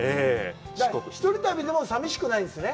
一人旅でも寂しくないんですよね。